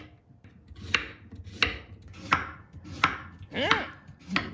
うん？